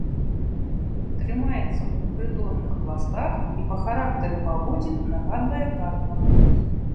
Трымаецца ў прыдонных пластах і па характары паводзін нагадвае карпа.